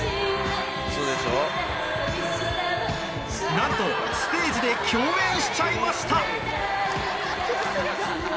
なんとステージで共演しちゃいました